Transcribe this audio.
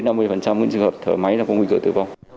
bốn mươi năm mươi những trường hợp thở máy là có nguy kịch tử vong